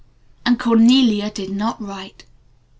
And Cornelia did not write.